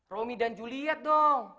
romi dan juliet dong